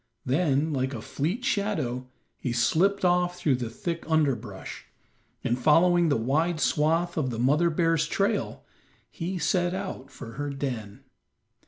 Then, like a fleet shadow, he slipped off through the thick underbrush, and following the wide swath of the mother bear's trail, he set out for her den.